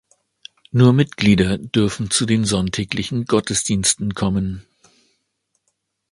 Nur Mitglieder dürften zu den sonntäglichen Gottesdiensten kommen.